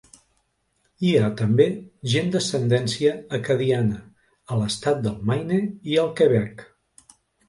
Hi ha també gent d'ascendència acadiana a l'estat del Maine i al Quebec.